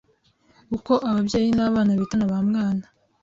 Uko ababyeyi n’abana bitana ba mwana